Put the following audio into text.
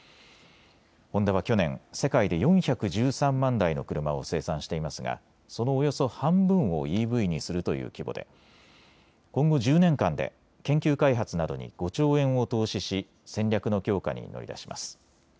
ホンダは去年、世界で４１３万台の車を生産していますがそのおよそ半分をＥＶにするという規模で今後１０年間で研究開発などに５兆円を投資し戦略の強化に乗り出します。